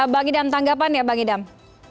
bang idam tanggapan ya bang idam